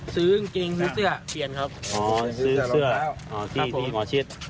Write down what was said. อ๋อซื้อเสื้อที่หมอชิด